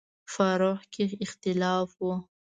فروع کې اختلاف و.